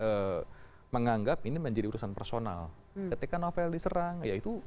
betul sekali ini yang kemudian juga seolah olah menganggap ini menjadi urusan personal ketika novel diserang ya itu juga